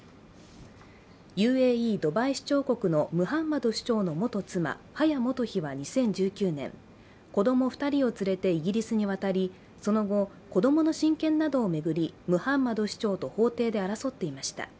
ＵＡＥ＝ドバイ首長国のムハンマド主張の元妻、ハヤ元妃は２０１９年子供２人を連れてイギリスに渡りその後、子供の親権などを巡りムハンマド首長と法廷で争っていました。